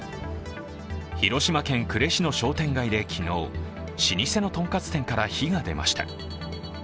広島県呉市の商店街で昨日、老舗のとんかつ店から火が出ました。